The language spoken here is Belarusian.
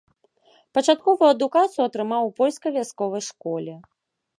Пачатковую адукацыю атрымаў у польскай вясковай школе.